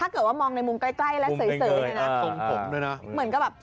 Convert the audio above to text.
ขอบคุณครับ